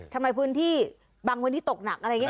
ทำไมพื้นที่บางพื้นที่ตกหนักอะไรอย่างนี้